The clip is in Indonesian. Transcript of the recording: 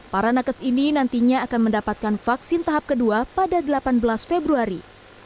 para nakes ini nantinya akan mendapatkan vaksin tahap kedua pada delapan belas februari